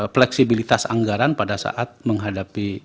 fleksibilitas anggaran pada saat menghadapi